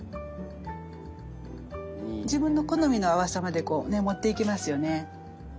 自分の好みの淡さまでこうね持っていけますよね。